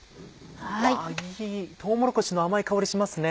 とうもろこしの甘い香りしますね。